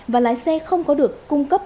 và lái xe không có được cung cấp